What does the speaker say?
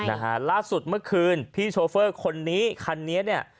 นะฮะล่าสุดเมื่อคืนพี่โชเฟอร์คนนี้คันนี้เนี่ย